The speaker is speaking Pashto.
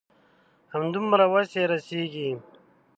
همدومره وس يې رسيږي.